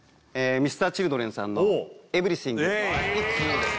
Ｍｒ．Ｃｈｉｌｄｒｅｎさんの「Ｅｖｅｒｙｔｈｉｎｇ」です